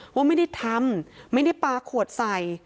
ว่านี่ไม่ได้ทำเมื่อกี้มาปลาขวดใส